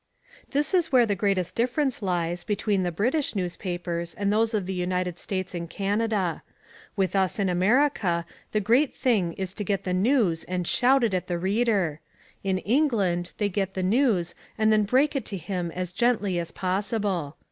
This is where the greatest difference lies between the British newspapers and those of the United States and Canada. With us in America the great thing is to get the news and shout it at the reader; in England they get the news and then break it to him as gently as possible.